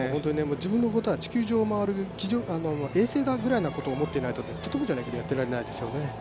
自分のことは地球上を回る衛星だというぐらい思ってないととてもじゃないけどやっていられないですよね。